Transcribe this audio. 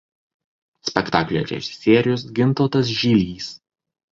Spektaklio režisierius Gintautas Žilys.